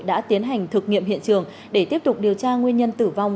đã tiến hành thực nghiệm hiện trường để tiếp tục điều tra nguyên nhân tử vong